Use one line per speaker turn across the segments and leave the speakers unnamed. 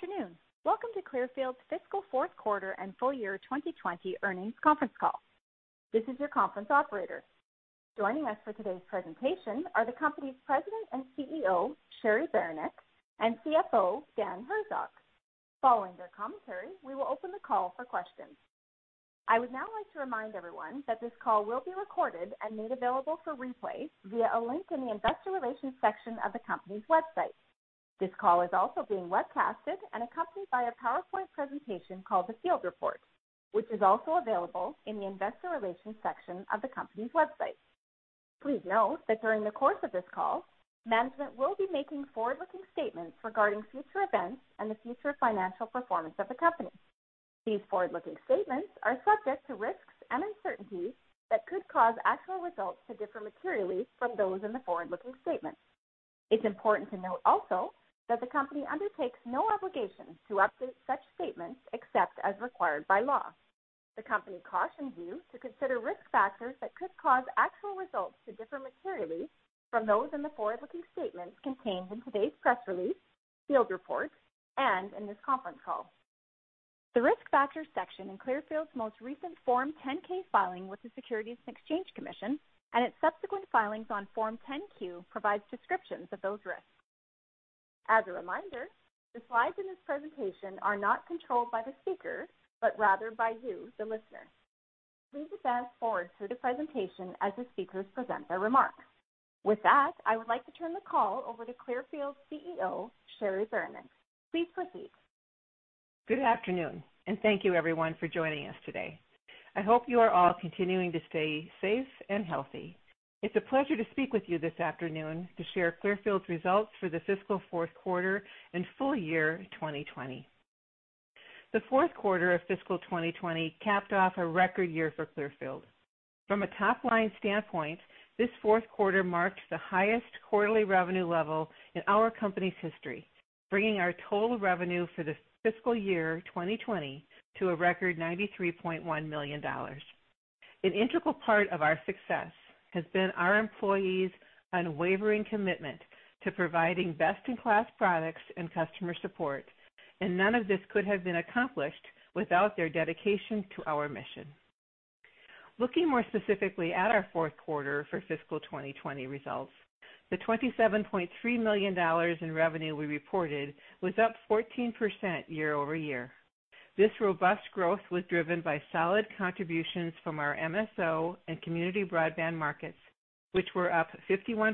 Good afternoon. Welcome to Clearfield's fiscal fourth quarter and full year 2020 earnings conference call. This is your conference operator. Joining us for today's presentation are the company's President and CEO, Cheri Beranek, and CFO, Dan Herzog. Following their commentary, we will open the call for questions. I would now like to remind everyone that this call will be recorded and made available for replay via a link in the investor relations section of the company's website. This call is also being webcasted and accompanied by a PowerPoint presentation called the FieldReport, which is also available in the investor relations section of the company's website. Please note that during the course of this call, management will be making forward-looking statements regarding future events and the future financial performance of the company. These forward-looking statements are subject to risks and uncertainties that could cause actual results to differ materially from those in the forward-looking statements. It's important to note also that the company undertakes no obligation to update such statements except as required by law. The company cautions you to consider risk factors that could cause actual results to differ materially from those in the forward-looking statements contained in today's press release, FieldReport, and in this conference call. The Risk Factors section in Clearfield's most recent Form 10-K filing with the Securities and Exchange Commission and its subsequent filings on Form 10-Q provides descriptions of those risks. As a reminder, the slides in this presentation are not controlled by the speaker, but rather by you, the listener. Please advance forward through the presentation as the speakers present their remarks. With that, I would like to turn the call over to Clearfield CEO, Cheri Beranek. Please proceed.
Good afternoon and thank you everyone for joining us today. I hope you are all continuing to stay safe and healthy. It's a pleasure to speak with you this afternoon to share Clearfield's results for the fiscal fourth quarter and full year 2020. The fourth quarter of fiscal 2020 capped off a record year for Clearfield. From a top-line standpoint, this fourth quarter marked the highest quarterly revenue level in our company's history, bringing our total revenue for the fiscal year 2020 to a record $93.1 million. An integral part of our success has been our employees' unwavering commitment to providing best-in-class products and customer support, and none of this could have been accomplished without their dedication to our mission. Looking more specifically at our fourth quarter for fiscal 2020 results, the $27.3 million in revenue we reported was up 14% year-over-year. This robust growth was driven by solid contributions from our MSO and community broadband markets, which were up 51%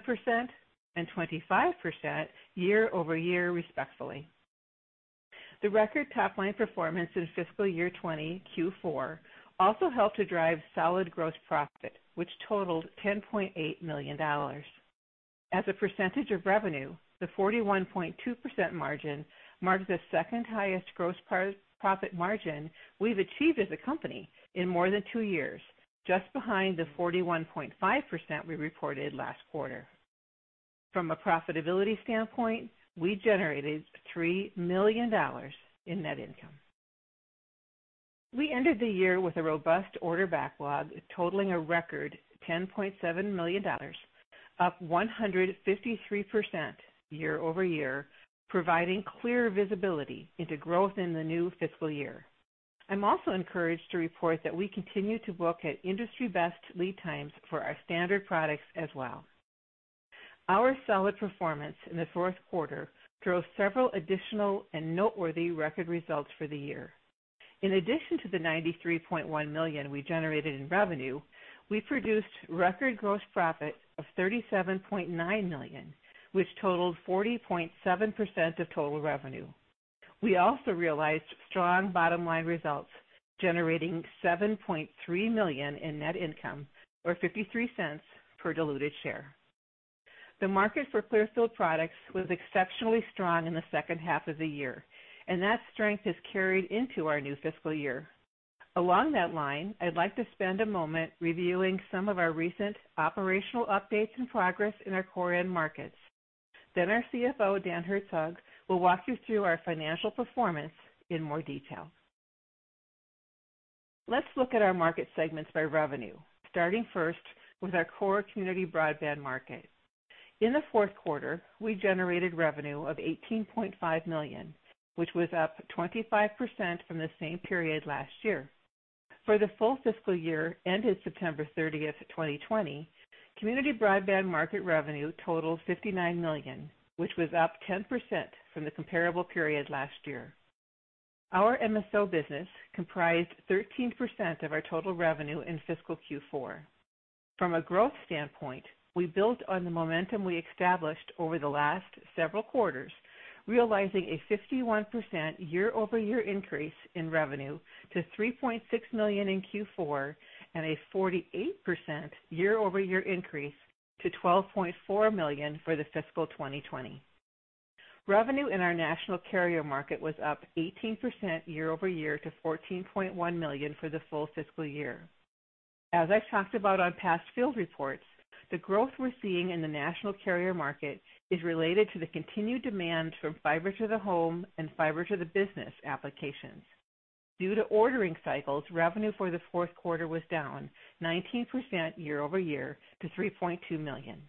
and 25% year-over-year respectively. The record top-line performance in fiscal year 2020 Q4 also helped to drive solid gross profit, which totaled $10.8 million. As a percentage of revenue, the 41.2% margin marks the second highest gross profit margin we've achieved as a company in more than two years, just behind the 41.5% we reported last quarter. From a profitability standpoint, we generated $3 million in net income. We ended the year with a robust order backlog totaling a record $10.7 million, up 153% year-over-year, providing clear visibility into growth in the new fiscal year. I'm also encouraged to report that we continue to book at industry-best lead times for our standard products as well. Our solid performance in the fourth quarter drove several additional and noteworthy record results for the year. In addition to the $93.1 million we generated in revenue, we produced record gross profit of $37.9 million, which totaled 40.7% of total revenue. We also realized strong bottom-line results, generating $7.3 million in net income or $0.53 per diluted share. The market for Clearfield products was exceptionally strong in the second half of the year, and that strength has carried into our new fiscal year. Along that line, I'd like to spend a moment reviewing some of our recent operational updates and progress in our core end markets. Our CFO, Dan Herzog, will walk you through our financial performance in more detail. Let's look at our market segments by revenue, starting first with our core community broadband market. In the fourth quarter, we generated revenue of $18.5 million, which was up 25% from the same period last year. For the full fiscal year ended September 30th, 2020, community broadband market revenue totaled $59 million, which was up 10% from the comparable period last year. Our MSO business comprised 13% of our total revenue in fiscal Q4. From a growth standpoint, we built on the momentum we established over the last several quarters, realizing a 51% year-over-year increase in revenue to $3.6 million in Q4 and a 48% year-over-year increase to $12.4 million for the fiscal 2020. Revenue in our national carrier market was up 18% year-over-year to $14.1 million for the full fiscal year. As I've talked about on past FieldReports, the growth we're seeing in the national carrier market is related to the continued demand from Fiber to the home and Fiber to the business applications. Due to ordering cycles, revenue for the fourth quarter was down 19% year-over-year to $3.2 million.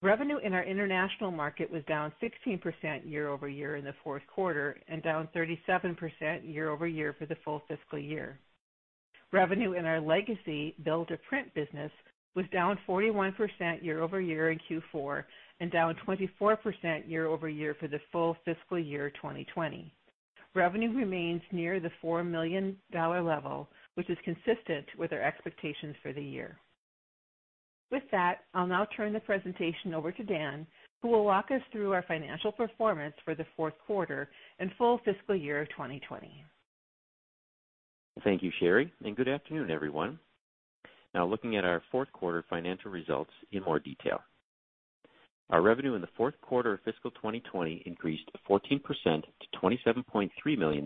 Revenue in our international market was down 16% year-over-year in the fourth quarter and down 37% year-over-year for the full fiscal year. Revenue in our legacy build-to-print business was down 41% year-over-year in Q4 and down 24% year-over-year for the full fiscal year 2020. Revenue remains near the $4 million level, which is consistent with our expectations for the year. With that, I'll now turn the presentation over to Dan, who will walk us through our financial performance for the fourth quarter and full fiscal year of 2020.
Thank you, Cheri, and good afternoon, everyone. Looking at our fourth quarter financial results in more detail. Our revenue in the fourth quarter of fiscal 2020 increased 14% to $27.3 million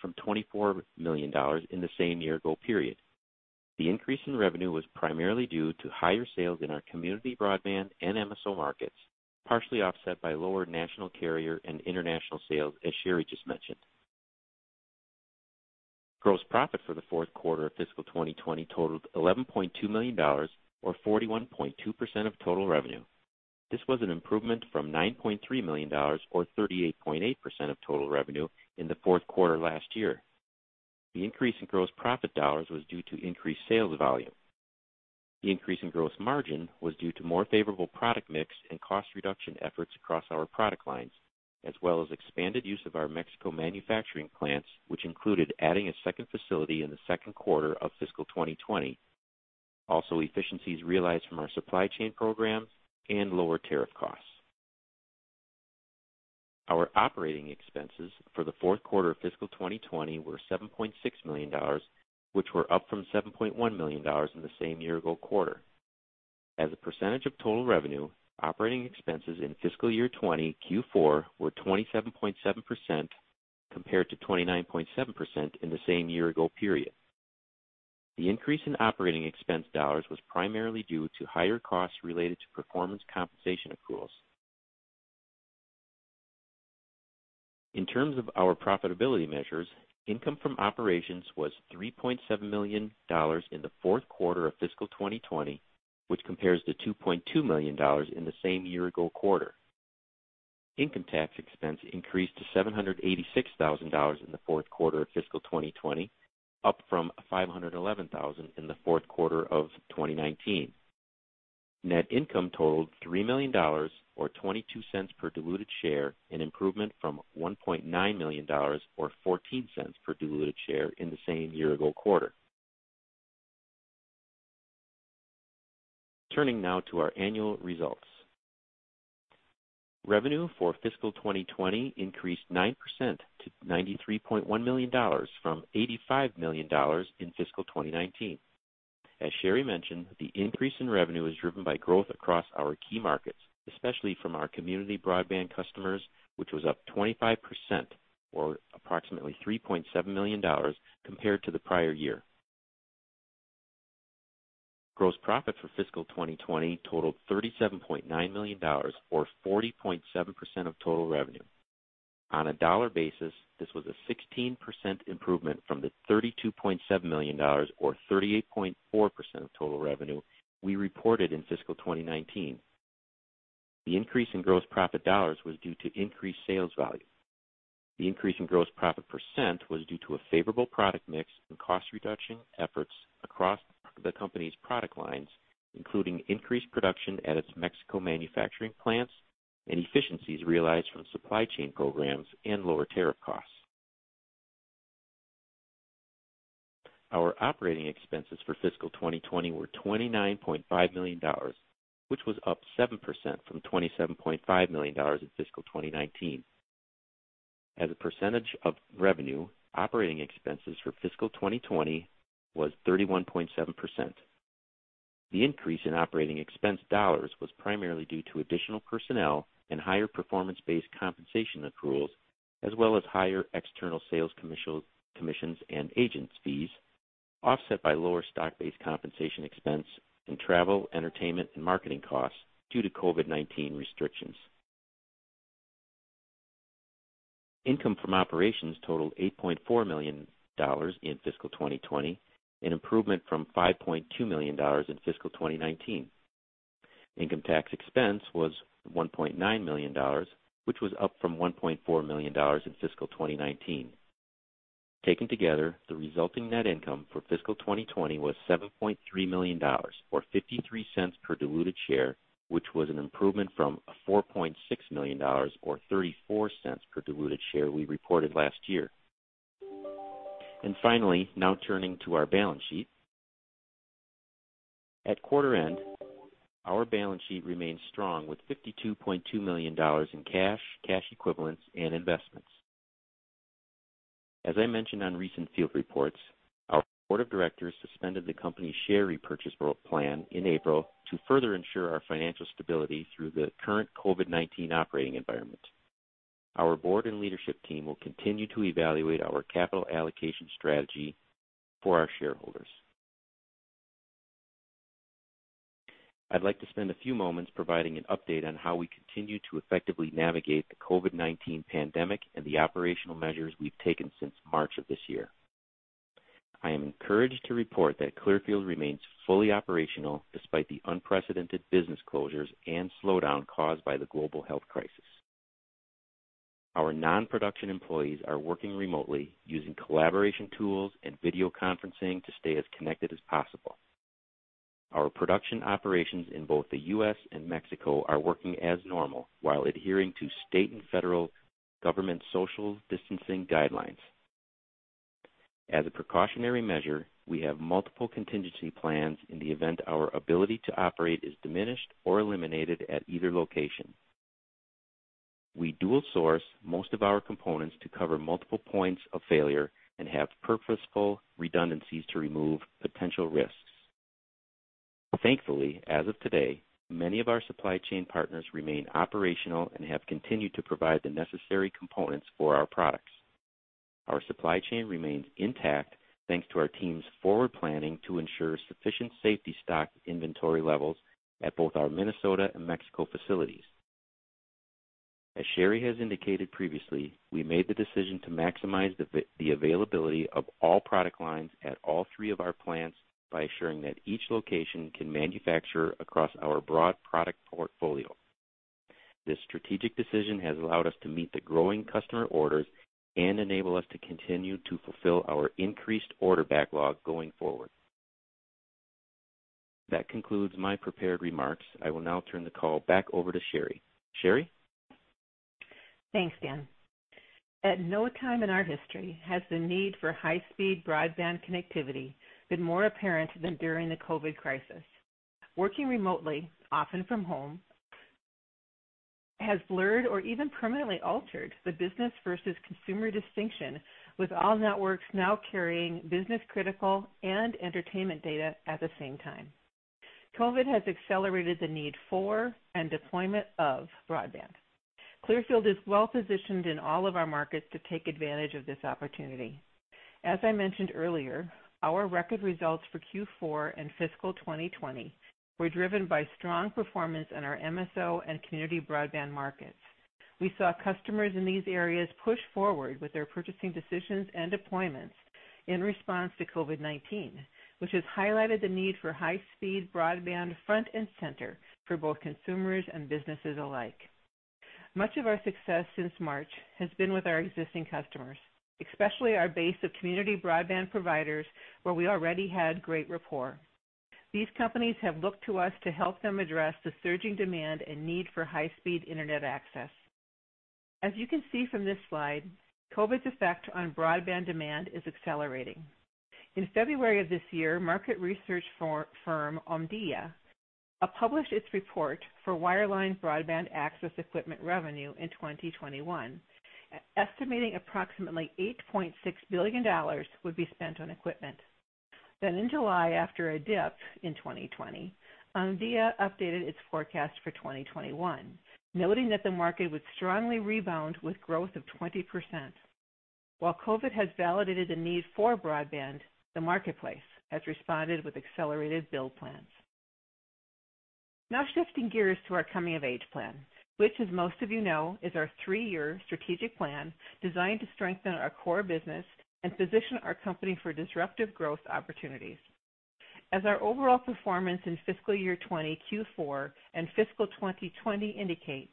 from $24 million in the same year-ago period. The increase in revenue was primarily due to higher sales in our community broadband and MSO markets, partially offset by lower national carrier and international sales, as Cheri just mentioned. Gross profit for the fourth quarter of fiscal 2020 totaled $11.2 million, or 41.2% of total revenue. This was an improvement from $9.3 million, or 38.8% of total revenue in the fourth quarter last year. The increase in gross profit dollars was due to increased sales volume. The increase in gross margin was due to more favorable product mix and cost reduction efforts across our product lines, as well as expanded use of our Mexico manufacturing plants, which included adding a second facility in the second quarter of fiscal 2020. Efficiencies realized from our supply chain programs and lower tariff costs. Our operating expenses for the fourth quarter of fiscal 2020 were $7.6 million, which were up from $7.1 million in the same year-ago quarter. As a % of total revenue, operating expenses in fiscal year 2020 Q4 were 27.7% compared to 29.7% in the same year-ago period. The increase in operating expense dollars was primarily due to higher costs related to performance compensation accruals. In terms of our profitability measures, income from operations was $3.7 million in the fourth quarter of fiscal 2020, which compares to $2.2 million in the same year-ago quarter. Income tax expense increased to $786,000 in the fourth quarter of fiscal 2020, up from $511,000 in the fourth quarter of 2019. Net income totaled $3 million, or $0.22 per diluted share, an improvement from $1.9 million or $0.14 per diluted share in the same year-ago quarter. Turning to our annual results. Revenue for fiscal 2020 increased 9% to $93.1 million from $85 million in fiscal 2019. As Cheri mentioned, the increase in revenue is driven by growth across our key markets, especially from our community broadband customers, which was up 25%, or approximately $3.7 million compared to the prior year. Gross profit for fiscal 2020 totaled $37.9 million or 40.7% of total revenue. On a dollar basis, this was a 16% improvement from the $32.7 million or 38.4% of total revenue we reported in fiscal 2019. The increase in gross profit dollars was due to increased sales volume. The increase in gross profit % was due to a favorable product mix and cost reduction efforts across the company's product lines, including increased production at its Mexico manufacturing plants and efficiencies realized from supply chain programs and lower tariff costs. Our operating expenses for fiscal 2020 were $29.5 million, which was up 7% from $27.5 million in fiscal 2019. As a % of revenue, operating expenses for fiscal 2020 was 31.7%. The increase in operating expense dollars was primarily due to additional personnel and higher performance-based compensation accruals, as well as higher external sales commissions and agents' fees, offset by lower stock-based compensation expense and travel, entertainment, and marketing costs due to COVID-19 restrictions. Income from operations totaled $8.4 million in fiscal 2020, an improvement from $5.2 million in fiscal 2019. Income tax expense was $1.9 million, which was up from $1.4 million in fiscal 2019. Taken together, the resulting net income for fiscal 2020 was $7.3 million, or $0.53 per diluted share, which was an improvement from a $4.6 million or $0.34 per diluted share we reported last year. Finally, now turning to our balance sheet. At quarter end, our balance sheet remains strong with $52.2 million in cash equivalents, and investments. As I mentioned on recent FieldReports, our board of directors suspended the company's share repurchase plan in April to further ensure our financial stability through the current COVID-19 operating environment. Our board and leadership team will continue to evaluate our capital allocation strategy for our shareholders. I'd like to spend a few moments providing an update on how we continue to effectively navigate the COVID-19 pandemic and the operational measures we've taken since March of this year. I am encouraged to report that Clearfield remains fully operational despite the unprecedented business closures and slowdown caused by the global health crisis. Our non-production employees are working remotely, using collaboration tools and video conferencing to stay as connected as possible. Our production operations in both the U.S. and Mexico are working as normal while adhering to state and federal government social distancing guidelines. As a precautionary measure, we have multiple contingency plans in the event our ability to operate is diminished or eliminated at either location. We dual source most of our components to cover multiple points of failure and have purposeful redundancies to remove potential risks. Thankfully, as of today, many of our supply chain partners remain operational and have continued to provide the necessary components for our products. Our supply chain remains intact thanks to our team's forward planning to ensure sufficient safety stock inventory levels at both our Minnesota and Mexico facilities. As Cheri has indicated previously, we made the decision to maximize the availability of all product lines at all three of our plants by assuring that each location can manufacture across our broad product portfolio. This strategic decision has allowed us to meet the growing customer orders and enable us to continue to fulfill our increased order backlog going forward. That concludes my prepared remarks. I will now turn the call back over to Cheri. Cheri?
Thanks, Dan. At no time in our history has the need for high-speed broadband connectivity been more apparent than during the COVID-19 crisis. Working remotely, often from home, has blurred or even permanently altered the business versus consumer distinction, with all networks now carrying business critical and entertainment data at the same time. COVID-19 has accelerated the need for and deployment of broadband. Clearfield is well-positioned in all of our markets to take advantage of this opportunity. As I mentioned earlier, our record results for Q4 and fiscal 2020 were driven by strong performance in our MSO and community broadband markets. We saw customers in these areas push forward with their purchasing decisions and deployments in response to COVID-19, which has highlighted the need for high-speed broadband front and center for both consumers and businesses alike. Much of our success since March has been with our existing customers, especially our base of community broadband providers, where we already had great rapport. These companies have looked to us to help them address the surging demand and need for high-speed internet access. As you can see from this slide, COVID's effect on broadband demand is accelerating. In February of this year, market research firm Omdia published its report for wireline broadband access equipment revenue in 2021, estimating approximately $8.6 billion would be spent on equipment. In July, after a dip in 2020, Omdia updated its forecast for 2021, noting that the market would strongly rebound with growth of 20%. While COVID has validated the need for broadband, the marketplace has responded with accelerated build plans. Shifting gears to our Coming of Age plan, which as most of you know, is our three-year strategic plan designed to strengthen our core business and position our company for disruptive growth opportunities. As our overall performance in fiscal year 2020 Q4 and fiscal 2020 indicate,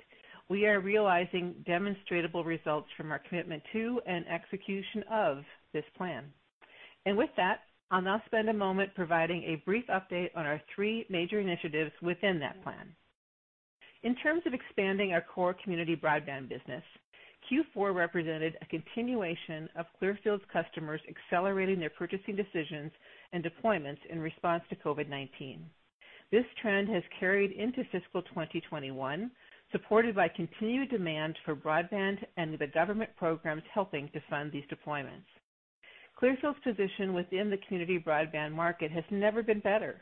we are realizing demonstrable results from our commitment to and execution of this plan. With that, I'll now spend a moment providing a brief update on our three major initiatives within that plan. In terms of expanding our core community broadband business, Q4 represented a continuation of Clearfield's customers accelerating their purchasing decisions and deployments in response to COVID-19. This trend has carried into fiscal 2021, supported by continued demand for broadband and the government programs helping to fund these deployments. Clearfield's position within the community broadband market has never been better.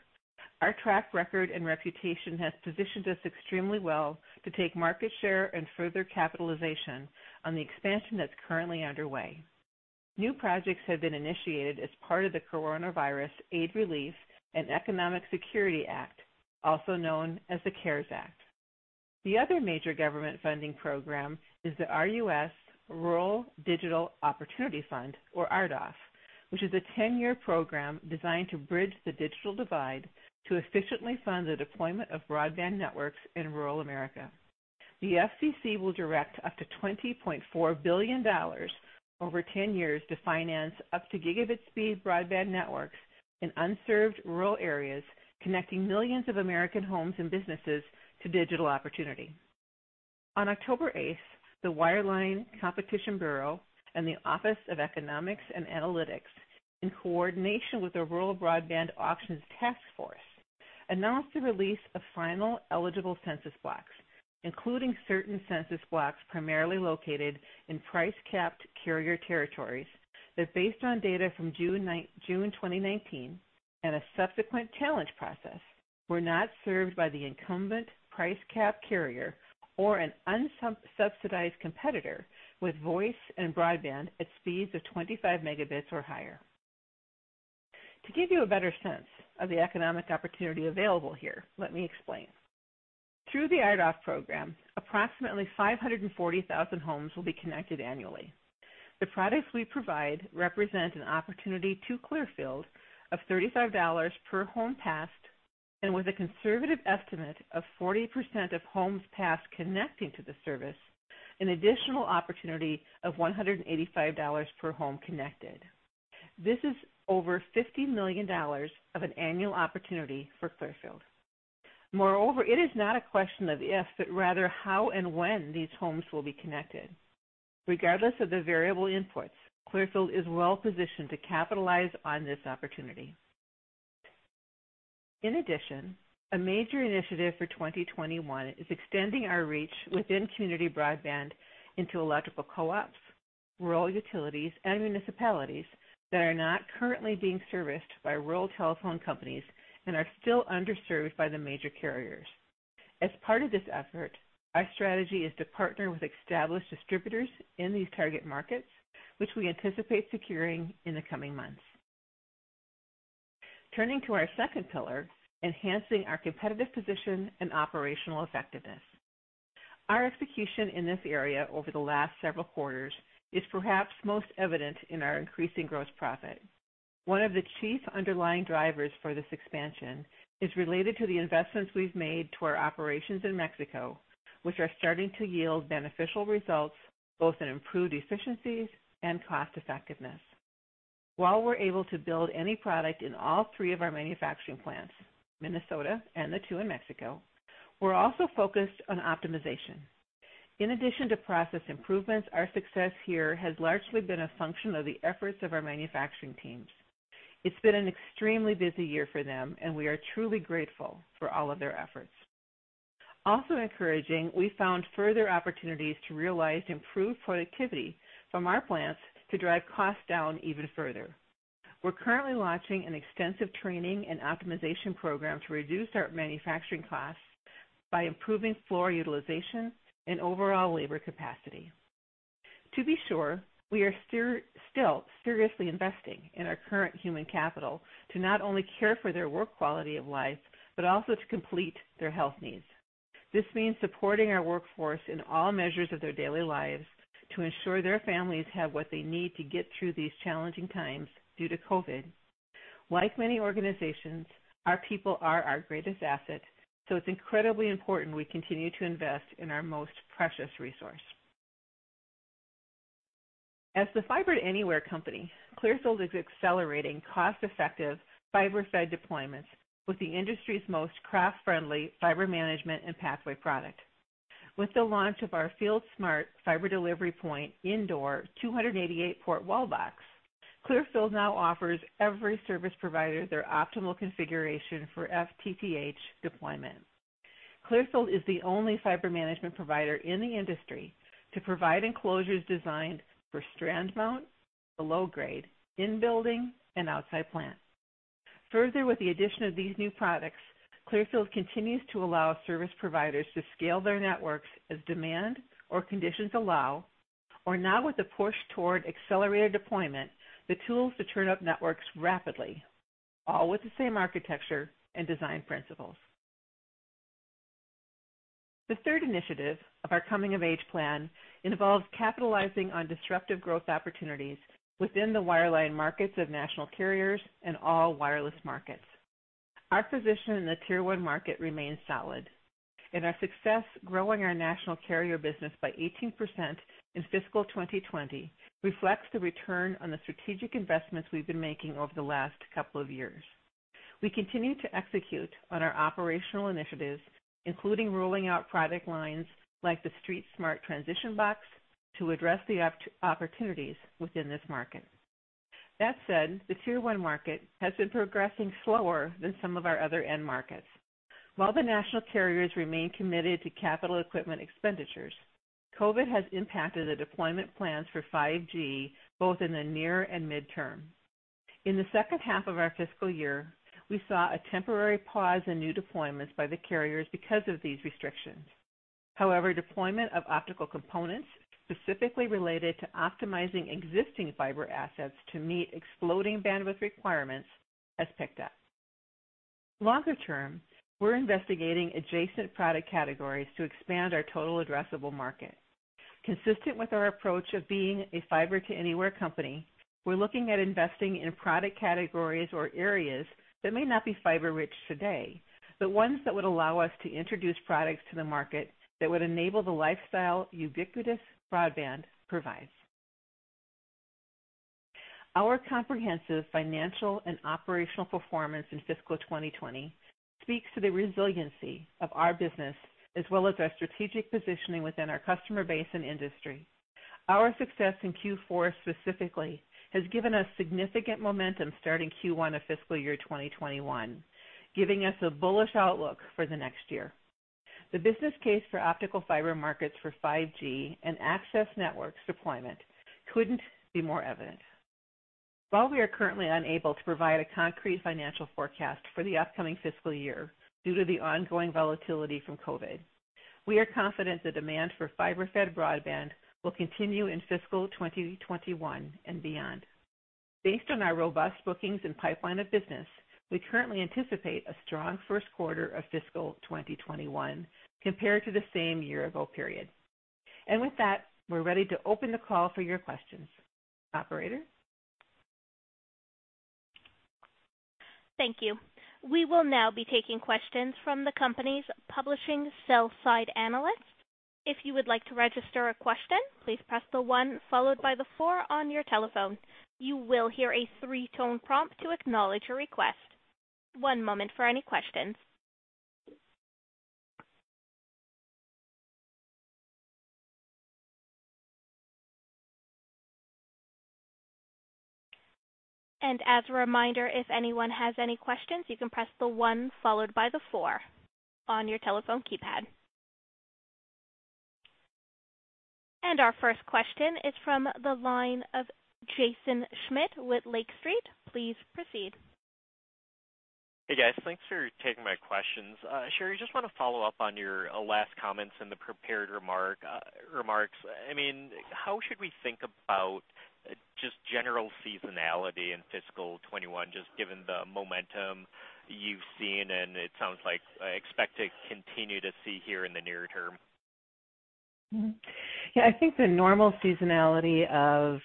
Our track record and reputation has positioned us extremely well to take market share and further capitalization on the expansion that's currently underway. New projects have been initiated as part of the Coronavirus Aid, Relief, and Economic Security Act, also known as the CARES Act. The other major government funding program is the Rural Digital Opportunity Fund, or RDOF, which is a 10-year program designed to bridge the digital divide to efficiently fund the deployment of broadband networks in rural America. The FCC will direct up to $20.4 billion over 10 years to finance up to gigabit speed broadband networks in unserved rural areas, connecting millions of American homes and businesses to digital opportunity. On October 8th, the Wireline Competition Bureau and the Office of Economics and Analytics, in coordination with the Rural Broadband Auctions Task Force, announced the release of final eligible census blocks, including certain census blocks primarily located in price-capped carrier territories that, based on data from June 2019 and a subsequent challenge process, were not served by the incumbent price-capped carrier or an unsubsidized competitor with voice and broadband at speeds of 25 megabits or higher. To give you a better sense of the economic opportunity available here, let me explain. Through the RDOF program, approximately 540,000 homes will be connected annually. The products we provide represent an opportunity to Clearfield of $35 per home passed, and with a conservative estimate of 40% of homes passed connecting to the service, an additional opportunity of $185 per home connected. This is over $50 million of an annual opportunity for Clearfield. Moreover, it is not a question of if, but rather how and when these homes will be connected. Regardless of the variable inputs, Clearfield is well positioned to capitalize on this opportunity. In addition, a major initiative for 2021 is extending our reach within community broadband into electrical co-ops, rural utilities, and municipalities that are not currently being serviced by rural telephone companies and are still underserved by the major carriers. As part of this effort, our strategy is to partner with established distributors in these target markets, which we anticipate securing in the coming months. Turning to our second pillar, enhancing our competitive position and operational effectiveness. Our execution in this area over the last several quarters is perhaps most evident in our increasing gross profit. One of the chief underlying drivers for this expansion is related to the investments we've made to our operations in Mexico, which are starting to yield beneficial results, both in improved efficiencies and cost effectiveness. While we're able to build any product in all three of our manufacturing plants, Minnesota and the two in Mexico, we're also focused on optimization. In addition to process improvements, our success here has largely been a function of the efforts of our manufacturing teams. It's been an extremely busy year for them, and we are truly grateful for all of their efforts. Also encouraging, we found further opportunities to realize improved productivity from our plants to drive costs down even further. We're currently launching an extensive training and optimization program to reduce our manufacturing costs by improving floor utilization and overall labor capacity. To be sure, we are still seriously investing in our current human capital to not only care for their work quality of life, but also to complete their health needs. This means supporting our workforce in all measures of their daily lives to ensure their families have what they need to get through these challenging times due to COVID-19. Like many organizations, it's incredibly important we continue to invest in our most precious resource. As the fiber anywhere company, Clearfield is accelerating cost-effective fiber-fed deployments with the industry's most craft-friendly fiber management and pathway product. With the launch of our FieldSmart Fiber Delivery Point Indoor 288-Port Wall Box, Clearfield now offers every service provider their optimal configuration for FTTH deployment. Clearfield is the only fiber management provider in the industry to provide enclosures designed for strand mount, below grade, in building, and outside plant. Further, with the addition of these new products, Clearfield continues to allow service providers to scale their networks as demand or conditions allow. Now with the push toward accelerated deployment, the tools to turn up networks rapidly, all with the same architecture and design principles. The third initiative of our Coming of Age plan involves capitalizing on disruptive growth opportunities within the wireline markets of national carriers and all wireless markets. Our position in the Tier 1 market remains solid, and our success growing our national carrier business by 18% in fiscal 2020 reflects the return on the strategic investments we've been making over the last couple of years. We continue to execute on our operational initiatives, including rolling out product lines like the FieldSmart Transition Box to address the opportunities within this market. That said, the Tier 1 market has been progressing slower than some of our other end markets. While the national carriers remain committed to capital equipment expenditures, COVID-19 has impacted the deployment plans for 5G, both in the near and mid-term. In the second half of our fiscal year, we saw a temporary pause in new deployments by the carriers because of these restrictions. However, deployment of optical components, specifically related to optimizing existing fiber assets to meet exploding bandwidth requirements, has picked up. Longer-term, we're investigating adjacent product categories to expand our total addressable market. Consistent with our approach of being a fiber to anywhere company, we're looking at investing in product categories or areas that may not be fiber rich today, but ones that would allow us to introduce products to the market that would enable the lifestyle ubiquitous broadband provides. Our comprehensive financial and operational performance in fiscal 2020 speaks to the resiliency of our business, as well as our strategic positioning within our customer base and industry. Our success in Q4 specifically has given us significant momentum starting Q1 of fiscal year 2021, giving us a bullish outlook for the next year. The business case for optical fiber markets for 5G and access networks deployment couldn't be more evident. While we are currently unable to provide a concrete financial forecast for the upcoming fiscal year due to the ongoing volatility from COVID-19, we are confident the demand for fiber-fed broadband will continue in fiscal 2021 and beyond. Based on our robust bookings and pipeline of business, we currently anticipate a strong first quarter of fiscal 2021 compared to the same year ago period. With that, we're ready to open the call for your questions. Operator?
Thank you. We will now be taking questions from the company's publishing sell side analysts. If you would like to register a question, please press the one followed by the four on your telephone. You will hear a three-tone prompt to acknowledge your request. One moment for any questions. As a reminder, if anyone has any questions, you can press the one followed by the four on your telephone keypad. Our first question is from the line of Jaeson Schmidt with Lake Street. Please proceed.
Hey, guys. Thanks for taking my questions. Cheri, just want to follow up on your last comments in the prepared remarks. How should we think about just general seasonality in fiscal 2021, just given the momentum you've seen and it sounds like expect to continue to see here in the near term?
I think the normal seasonality of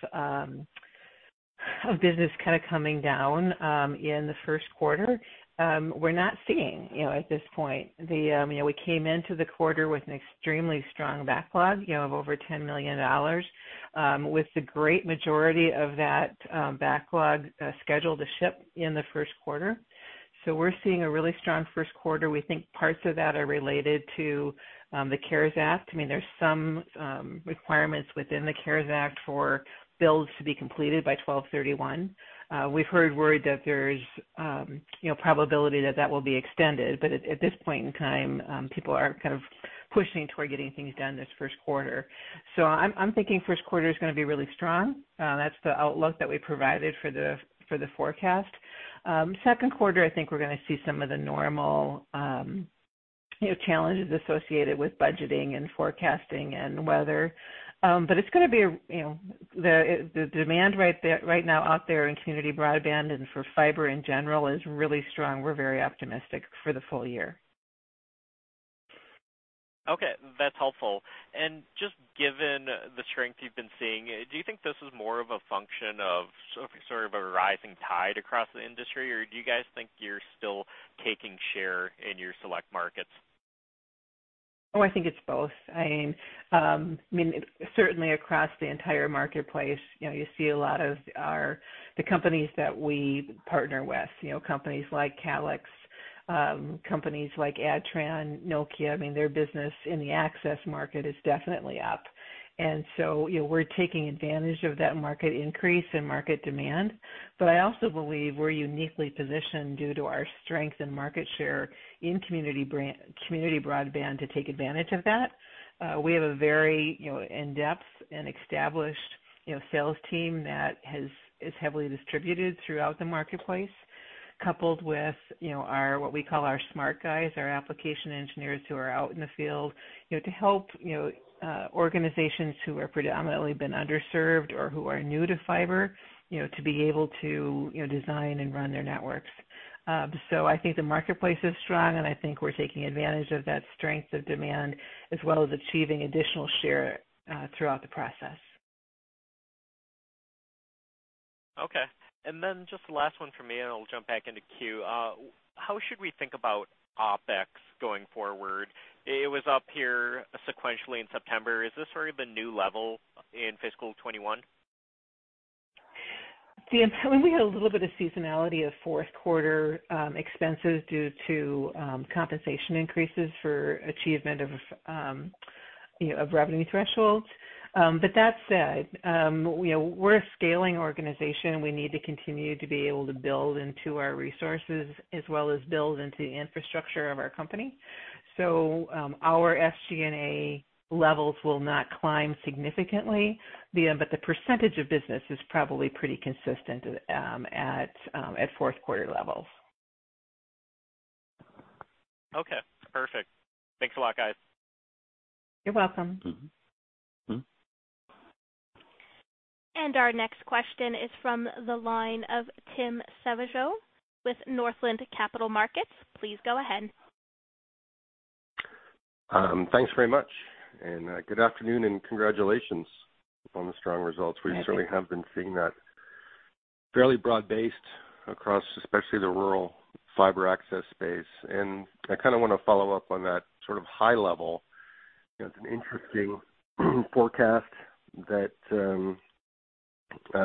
business coming down in the first quarter, we're not seeing at this point. We came into the quarter with an extremely strong backlog of over $10 million, with the great majority of that backlog scheduled to ship in the first quarter. We're seeing a really strong first quarter. We think parts of that are related to the CARES Act. There are some requirements within the CARES Act for builds to be completed by 12/31. We've heard word that there's probability that that will be extended, at this point in time, people are pushing toward getting things done this first quarter. I'm thinking first quarter is going to be really strong. That's the outlook that we provided for the forecast. Second quarter, I think we're going to see some of the normal challenges associated with budgeting and forecasting and weather. The demand right now out there in community broadband and for fiber in general is really strong. We're very optimistic for the full year.
Okay, that's helpful. Just given the strength you've been seeing, do you think this is more of a function of a rising tide across the industry, or do you guys think you're still taking share in your select markets?
I think it's both. Certainly across the entire marketplace, you see a lot of the companies that we partner with, companies like Calix, companies like Adtran, Nokia, their business in the access market is definitely up. We're taking advantage of that market increase and market demand. I also believe we're uniquely positioned due to our strength and market share in community broadband to take advantage of that. We have a very in-depth and established sales team that is heavily distributed throughout the marketplace, coupled with what we call our smart guys, our application engineers who are out in the field to help organizations who are predominantly been underserved or who are new to fiber to be able to design and run their networks. I think the marketplace is strong, and I think we're taking advantage of that strength of demand as well as achieving additional share throughout the process.
Okay. Just the last one from me, and I'll jump back into queue. How should we think about OpEx going forward? It was up here sequentially in September. Is this sort of the new level in fiscal 2021?
We had a little bit of seasonality of fourth quarter expenses due to compensation increases for achievement of revenue thresholds. That said, we're a scaling organization. We need to continue to be able to build into our resources as well as build into the infrastructure of our company. Our SG&A levels will not climb significantly, but the percentage of business is probably pretty consistent at fourth quarter levels.
Okay, perfect. Thanks a lot, guys.
You're welcome.
Our next question is from the line of Timothy Savageaux with Northland Capital Markets. Please go ahead.
Thanks very much, good afternoon and congratulations on the strong results.
Thank you.
We certainly have been seeing that fairly broad-based across especially the rural fiber access space. I kind of want to follow up on that sort of high level. It's an interesting forecast that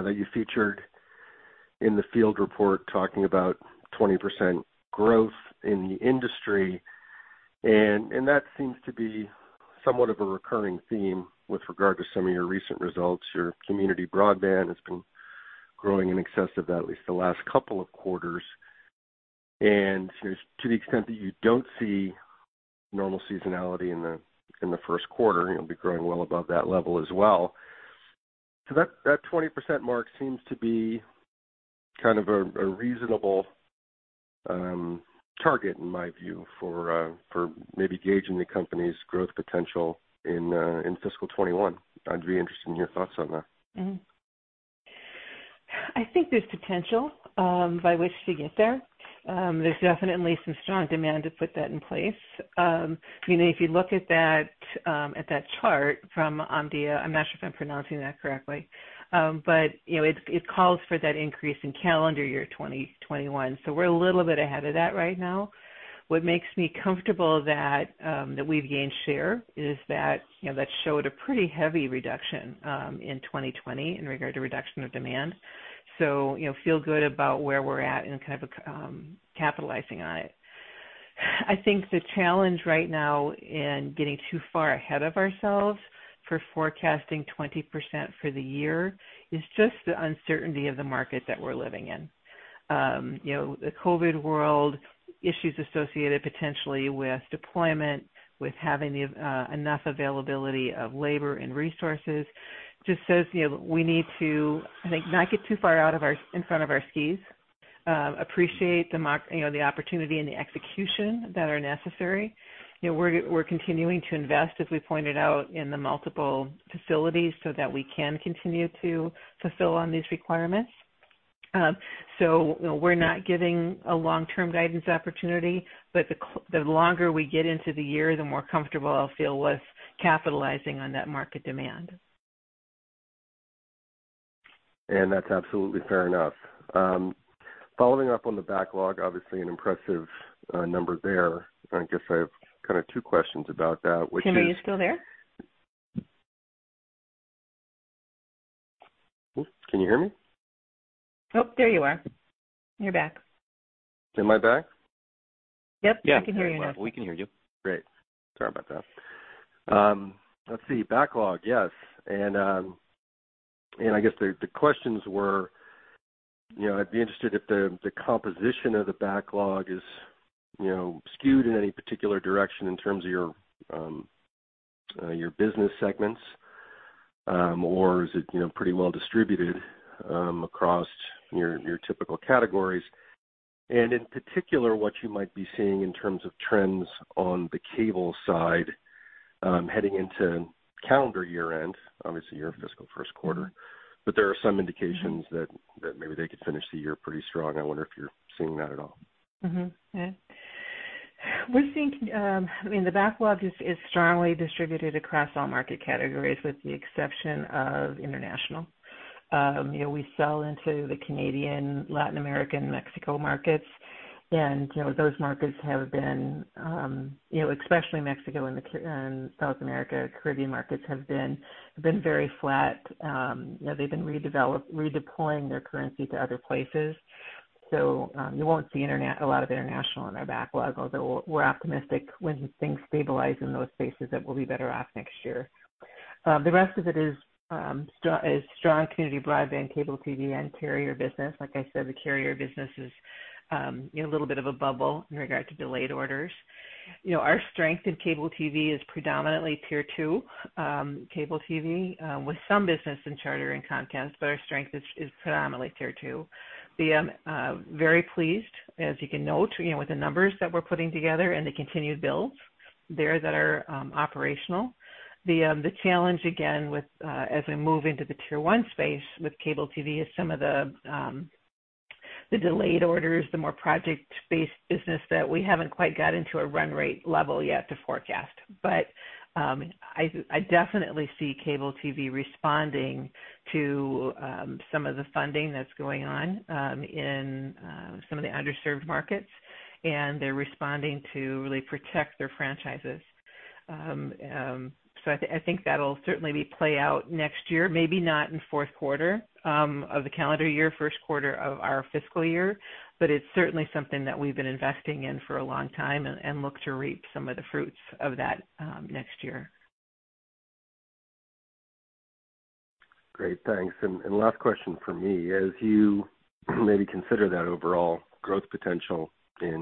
you featured in the FieldReport talking about 20% growth in the industry, and that seems to be somewhat of a recurring theme with regard to some of your recent results. Your community broadband has been growing in excess of that at least the last couple of quarters. To the extent that you don't see normal seasonality in the first quarter, you'll be growing well above that level as well. That 20% mark seems to be kind of a reasonable target, in my view, for maybe gauging the company's growth potential in fiscal 2021. I'd be interested in your thoughts on that.
I think there's potential by which to get there. There's definitely some strong demand to put that in place. If you look at that chart from Omdia, I'm not sure if I'm pronouncing that correctly, it calls for that increase in calendar year 2021. We're a little bit ahead of that right now. What makes me comfortable that we've gained share is that showed a pretty heavy reduction in 2020 in regard to reduction of demand. Feel good about where we're at and capitalizing on it. I think the challenge right now in getting too far ahead of ourselves for forecasting 20% for the year is just the uncertainty of the market that we're living in. The COVID world, issues associated potentially with deployment, with having enough availability of labor and resources, just says we need to, I think, not get too far in front of our skis. Appreciate the opportunity and the execution that are necessary. We're continuing to invest, as we pointed out, in the multiple facilities so that we can continue to fulfill on these requirements. We're not giving a long-term guidance opportunity, the longer we get into the year, the more comfortable I'll feel with capitalizing on that market demand.
That's absolutely fair enough. Following up on the backlog, obviously an impressive number there. I guess I have two questions about that.
Timothy, are you still there?
Oops. Can you hear me?
Oh, there you are. You're back.
Am I back?
Yep.
Yeah.
We can hear you now.
We can hear you.
Great. Sorry about that. Let's see. Backlog, yes. I guess the questions were, I'd be interested if the composition of the backlog is skewed in any particular direction in terms of your business segments. Is it pretty well distributed across your typical categories? In particular, what you might be seeing in terms of trends on the cable side heading into calendar year end, obviously your fiscal first quarter. There are some indications that maybe they could finish the year pretty strong. I wonder if you're seeing that at all.
Yeah. The backlog is strongly distributed across all market categories, with the exception of international. We sell into the Canadian, Latin American, Mexico markets. Those markets have been, especially Mexico and South America, Caribbean markets, have been very flat. They've been redeploying their currency to other places. You won't see a lot of international in our backlog, although we're optimistic when things stabilize in those spaces that we'll be better off next year. The rest of it is strong community broadband, cable TV, and carrier business. Like I said, the carrier business is in a little bit of a bubble in regard to delayed orders. Our strength in cable TV is predominantly Tier 2 cable TV, with some business in Charter and Comcast, but our strength is predominantly Tier 2. Very pleased, as you can note, with the numbers that we're putting together and the continued builds there that are operational. The challenge, again, as we move into the Tier 1 space with cable TV is some of the delayed orders, the more project-based business that we haven't quite got into a run rate level yet to forecast. I definitely see cable TV responding to some of the funding that's going on in some of the underserved markets, and they're responding to really protect their franchises. I think that'll certainly play out next year, maybe not in fourth quarter of the calendar year, first quarter of our fiscal year, but it's certainly something that we've been investing in for a long time and look to reap some of the fruits of that next year.
Great, thanks. Last question from me. As you maybe consider that overall growth potential in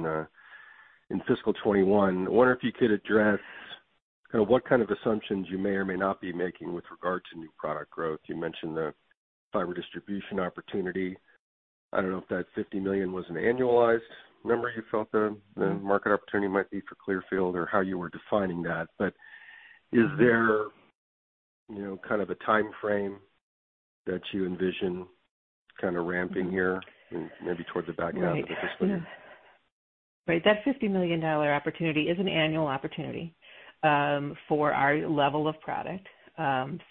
fiscal year 2021, I wonder if you could address what kind of assumptions you may or may not be making with regard to new product growth. You mentioned the fiber distribution opportunity. I don't know if that $50 million was an annualized number you felt the market opportunity might be for Clearfield, or how you were defining that. Is there kind of a timeframe that you envision kind of ramping here maybe towards the back half of the fiscal year?
Right. That $50 million opportunity is an annual opportunity for our level of product.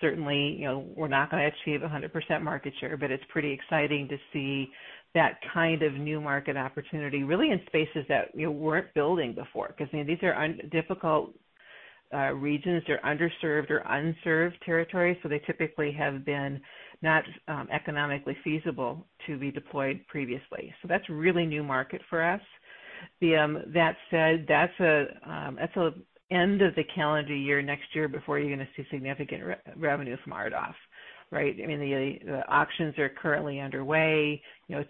Certainly, we're not going to achieve 100% market share, it's pretty exciting to see that kind of new market opportunity, really in spaces that we weren't building before, because these are difficult regions. They're underserved or unserved territory, they typically have been not economically feasible to be deployed previously. That's really new market for us. That said, that's the end of the calendar year next year before you're going to see significant revenue from RDOF. Right? I mean, the auctions are currently underway.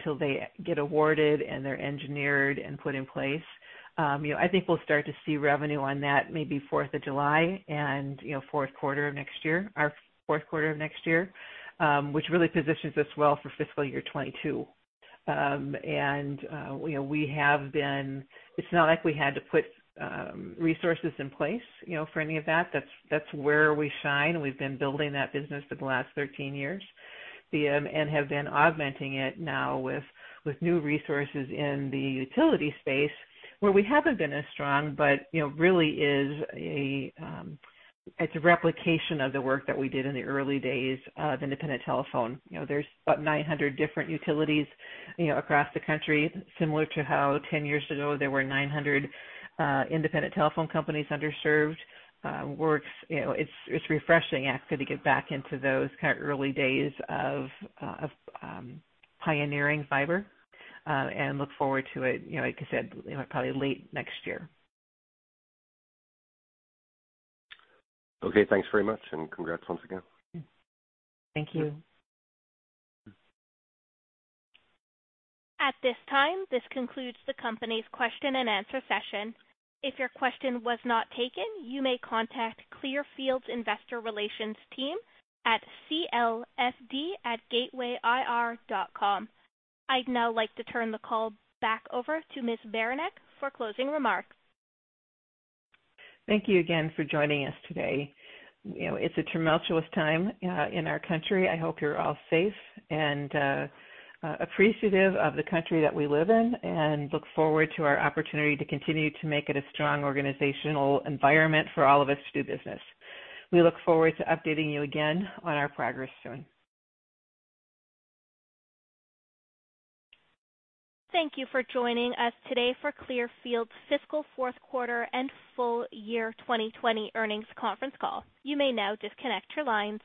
Till they get awarded and they're engineered and put in place, I think we'll start to see revenue on that maybe 4th of July and our fourth quarter of next year, which really positions us well for fiscal year 2022. It's not like we had to put resources in place for any of that. That's where we shine. We've been building that business for the last 13 years, and have been augmenting it now with new resources in the utility space where we haven't been as strong, but really it's a replication of the work that we did in the early days of independent telephone. There's about 900 different utilities across the country, similar to how 10 years ago there were 900 independent telephone companies underserved works. It's refreshing, actually, to get back into those kind of early days of pioneering fiber, and look forward to it, like I said, probably late next year.
Okay, thanks very much, and congrats once again.
Thank you.
At this time, this concludes the company's question and answer session. If your question was not taken, you may contact Clearfield's investor relations team at clfd@gatewayir.com. I'd now like to turn the call back over to Ms. Beranek for closing remarks.
Thank you again for joining us today. It's a tumultuous time in our country. I hope you're all safe and appreciative of the country that we live in, and look forward to our opportunity to continue to make it a strong organizational environment for all of us to do business. We look forward to updating you again on our progress soon.
Thank you for joining us today for Clearfield's fiscal fourth quarter and full year 2020 earnings conference call. You may now disconnect your lines.